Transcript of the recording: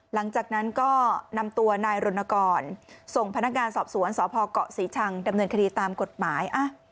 หลังจากนั้นก็นำตัวนายรณกรส่งพนักงานสอบสวนสพเกาะศรีชังดำเนินคดีตามกฎหมาย